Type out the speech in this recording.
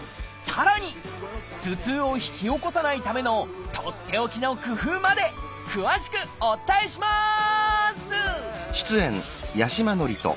さらに頭痛を引き起こさないためのとっておきの工夫まで詳しくお伝えします！